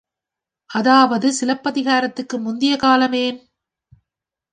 அதாவது சிலப்பதிகாரத்திற்கு முந்திய காலம், ஏன்?